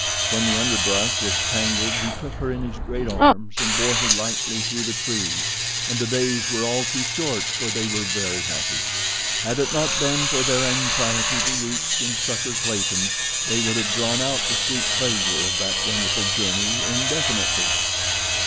When the underbrush was tangled he took her in his great arms, and bore her lightly through the trees, and the days were all too short, for they were very happy. Had it not been for their anxiety to reach and succor Clayton they would have drawn out the sweet pleasure of that wonderful journey indefinitely.